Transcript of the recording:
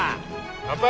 乾杯！